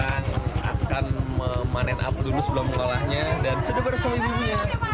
akan memanen apel dulu sebelum mengolahnya dan sedang bersalin